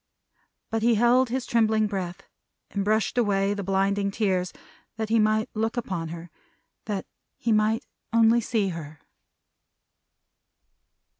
But he held his trembling breath, and brushed away the blinding tears, that he might look upon her; that he might only see her.